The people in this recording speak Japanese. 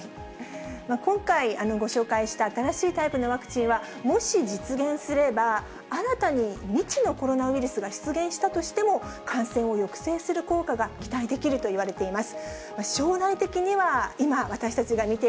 今回、ご紹介した新しいタイプのワクチンは、もし実現すれば、新たに未知のコロナウイルスが出現したとしても、感染を抑制する効果が期待できるといわれています。